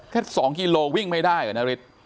แค่สองกิโลวิ่งไม่ได้อะนาริส